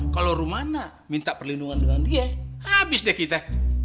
kalau rumana minta perlindungan dengan dia habis deh kita